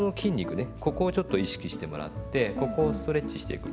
ここをちょっと意識してもらってここをストレッチしていく。